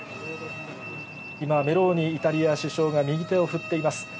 今、メローニイタリア首相が右手を振っています。